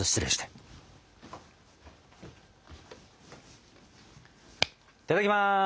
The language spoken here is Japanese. いただきます！